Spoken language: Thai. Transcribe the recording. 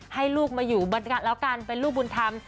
ให้ลูกมาอยู่แล้วกันเป็นลูกบุญธรรม